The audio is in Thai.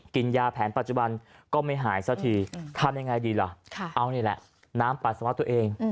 กินยาแผนปัจจุบันก็ไม่หายสักทีทำยังไงดีล่ะเอานี่แหละน้ำปัสสาวะตัวเอง